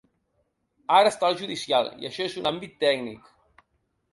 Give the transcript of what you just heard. Ara està el “judicial” i això és un “àmbit tècnic”.